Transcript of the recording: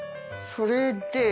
それで。